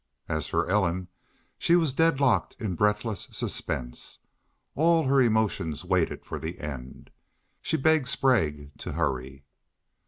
As for Ellen, she was deadlocked in breathless suspense. All her emotions waited for the end. She begged Sprague to hurry.